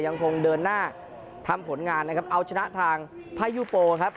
ยังคงเดินหน้าทำผลงานนะครับเอาชนะทางพายุโปครับ